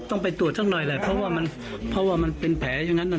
ต้องไปตรวจทั้งหน่อยแล้วเพราะว่ามันเป็นแผลอย่างนั้น